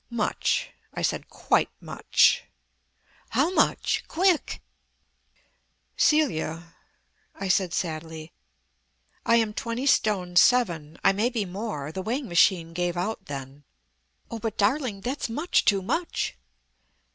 "Much," I said. "Quite much." "How much? Quick!" "Celia," I said sadly, "I am twenty stone seven. I may be more; the weighing machine gave out then." "Oh, but, darling, that's much too much."